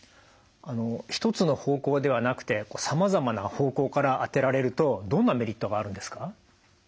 一つの方向ではなくてさまざまな方向から当てられるとどんなメリットがあるんですか？